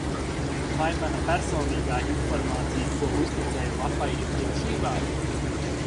Vai mana personīgā informācija, ko uzticēju lapai, ir drošībā?